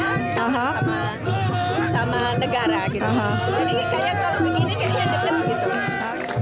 jadi kayaknya kalau begini kayaknya dekat gitu